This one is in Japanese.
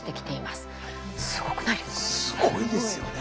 すごいですよね。